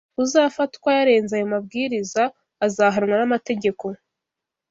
Uzafatwa yarenze ayo mabwiriza azahanwa n’amategeko”